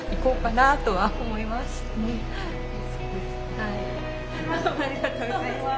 ありがとうございます。